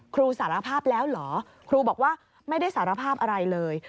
สารภาพแล้วเหรอครูบอกว่าไม่ได้สารภาพอะไรเลย